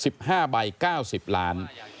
๑๕ใบ๙๐ล้าน